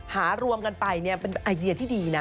หารวมกันไปเป็นไอเดียที่ดีนะ